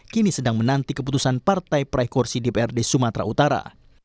kini sedang menanti keputusan partai prai kursi dprd sumatera utara